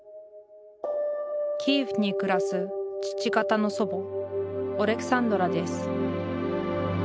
キーウに暮らす父方の祖母オレクサンドラです。